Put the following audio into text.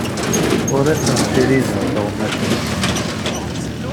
Ur asen-ssirideɣ tuɣmas-nsen.